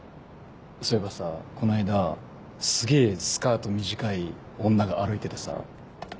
そういえばさこの間すげぇスカート短い女が歩いててさ。